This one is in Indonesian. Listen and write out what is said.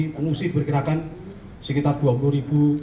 pengungsi berkirakan sekitar dua puluh ribu